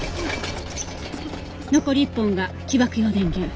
残り１本が起爆用電源。